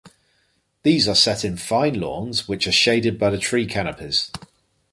These are set in fine lawns which are shaded by the tree canopies.